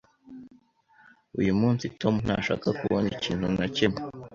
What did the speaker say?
Uyu munsi, Tom ntashaka kubona ikintu na kimwe.